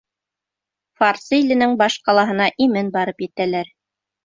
Фарсы иленең баш ҡалаһына имен барып етәләр.